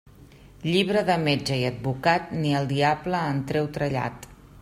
Llibre de metge i advocat, ni el diable en trau trellat.